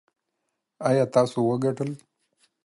ایا تاسو وګټل؟